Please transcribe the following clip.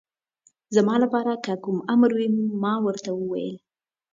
زما لپاره که کوم امر وي، ما ورته وویل.